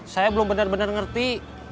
saya belum bener bener ngerti